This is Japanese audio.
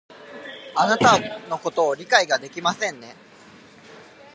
あなたのことを理解ができませんね